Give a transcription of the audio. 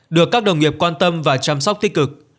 được các đồng nghiệp quan tâm và chăm sóc tích cực